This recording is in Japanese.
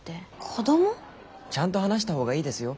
ちゃんと話した方がいいですよ